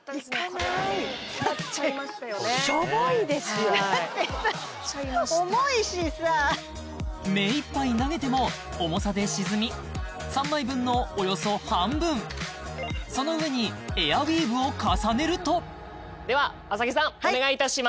止まっちゃいました重いしさめいっぱい投げても重さで沈み３枚分のおよそ半分その上にエアウィーヴを重ねるとでは麻木さんお願いいたします